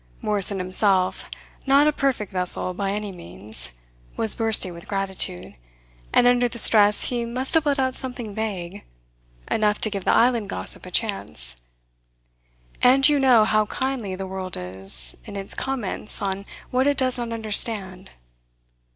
Morrison himself, not a perfect vessel by any means, was bursting with gratitude, and under the stress he must have let out something vague enough to give the island gossip a chance. And you know how kindly the world is in its comments on what it does not understand.